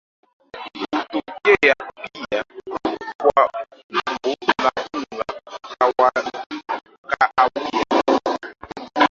Hutokea pia kwa umbo la unga kahawia.